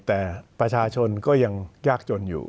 แต่ประชาชนก็ยังยากจนอยู่